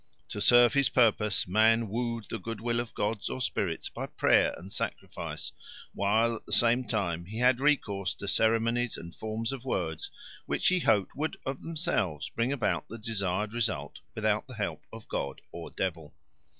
To serve his purpose man wooed the good will of gods or spirits by prayer and sacrifice, while at the same time he had recourse to ceremonies and forms of words which he hoped would of themselves bring about the desired result without the help of god or devil.